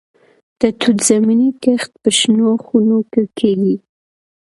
د توت زمینی کښت په شنو خونو کې کیږي.